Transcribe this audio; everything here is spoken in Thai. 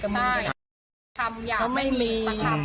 เขาไม่มี